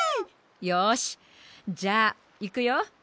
よしじゃあいくよ。